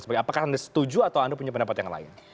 apakah anda setuju atau anda punya pendapat yang lain